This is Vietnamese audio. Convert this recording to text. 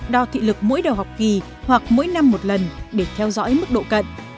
đo thị lực mỗi đầu học kỳ hoặc mỗi năm một lần để theo dõi hơn